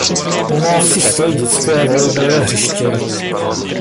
Na návsi stojí dětské a volejbalové hřiště.